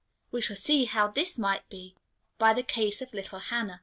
We shall see how this might be by the case of little Hannah.